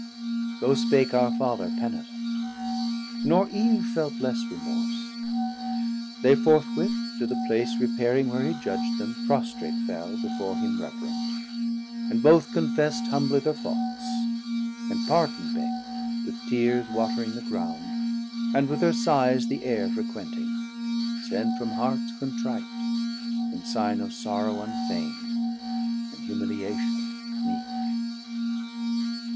So spake our Father penitent, nor Eve Felt less remorse: they forthwith to the place Repairing where he judg'd them prostrate fell Before him reverent, and both confess'd 1100 Humbly thir faults, and pardon beg'd, with tears Watering the ground, and with thir sighs the Air Frequenting, sent from hearts contrite, in sign Of sorrow unfeign'd, and humiliation meek.